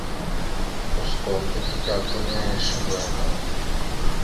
Kuskom pitike ako hinne shuŋgo emey ?